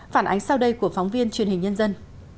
phản ánh sau đây của phóng viên truyền hình nhân dân